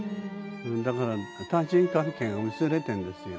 だから対人関係が薄れているんですよ。